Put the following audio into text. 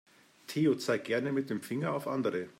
Theo zeigt gerne mit dem Finger auf andere.